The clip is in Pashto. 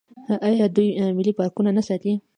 آیا دوی ملي پارکونه نه ساتي؟